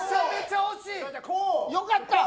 よかった！